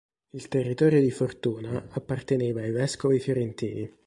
Il territorio di Fortuna apparteneva ai vescovi fiorentini.